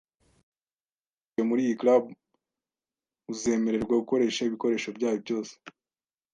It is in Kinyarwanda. Niba winjiye muri iyi club, uzemererwa gukoresha ibikoresho byayo byose.